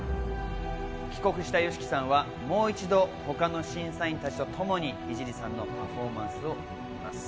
帰国したＹＯＳＨＩＫＩさんはもう一度他の審査員たちとともに井尻さんのパフォーマンスを見ます。